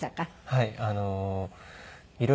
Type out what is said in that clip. はい。